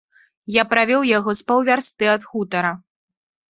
Я правёў яго з паўвярсты ад хутара.